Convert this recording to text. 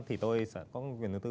thì tôi sẽ có quyền riêng tư